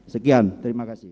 sekian terima kasih